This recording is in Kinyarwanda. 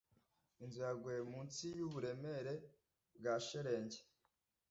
Inzu yaguye munsi yuburemere bwa shelegi.